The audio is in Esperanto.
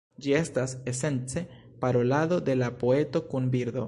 Ĝi estas esence parolado de la poeto kun birdo.